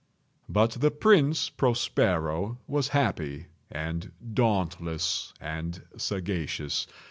But the Prince Prospero was happy and dauntless and sagacious.